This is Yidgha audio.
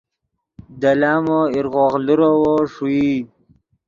دے لامو ایرغوغ لیروّو ݰوئی